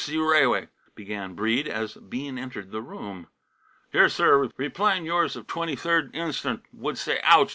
C. Rai'way," began Breede as Bean entered the room. "Dear sir repline yours of 23d instan' would say Ouch!